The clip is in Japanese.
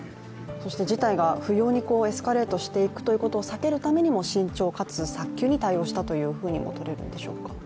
そして事態が不要にエスカレートしていくということを避けるためにも慎重かつ早急に対応したともとれるんでしょうか？